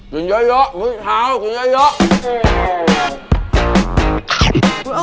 กินเยอะเมนูข้าวกินเยอะ